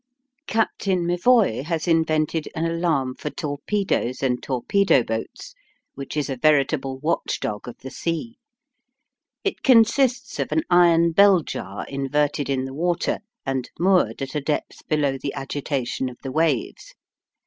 Captain M'Evoy has invented an alarm for torpedoes and torpedo boats, which is a veritable watchdog of the sea. It consists of an iron bell jar inverted in the water, and moored at a depth below the agitation of the waves.